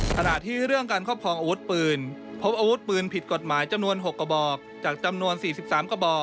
ขณะที่เรื่องการครอบครองอาวุธปืนพบอาวุธปืนผิดกฎหมายจำนวน๖กระบอกจากจำนวน๔๓กระบอก